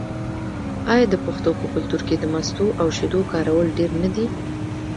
آیا د پښتنو په کلتور کې د مستو او شیدو کارول ډیر نه دي؟